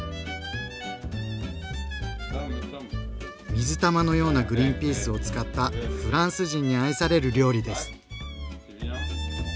水玉のようなグリンピースを使ったフランス人に愛される料理です。